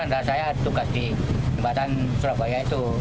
untuk yang saya tukas di tempatan surabaya itu